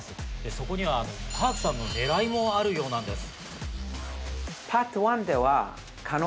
そこにはＰａｒｋさんの狙いもあるようなんです。